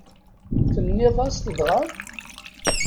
Tenniḍ-as-t dɣa?